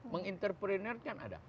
menginterpreneur kan ada